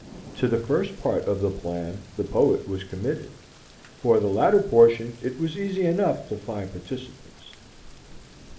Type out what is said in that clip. To the first part of the plan the poet was committed, for the latter portion it was easy enough to find participants.